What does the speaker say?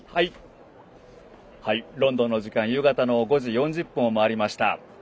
ロンドンの時間、夕方の５時４０分を回りました。